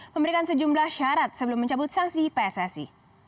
memberikan sejumlah syarat sebelum mencabut sanksi pssi